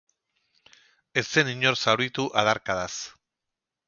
Ez zen inor zauritu adarkadaz.